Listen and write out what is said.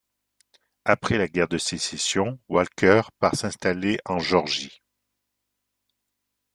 Après la guerre de Sécession, Walker part s'installer en Géorgie.